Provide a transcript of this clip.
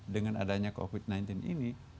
dengan adanya covid sembilan belas ini